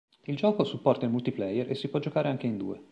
Il gioco supporta il multiplayer e si può giocare anche in due.